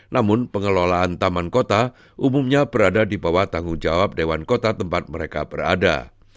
namun pengelolaan taman kota umumnya berada di bawah tanggung jawab dewan kota tempat mereka berada